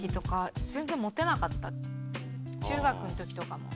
中学の時とかも。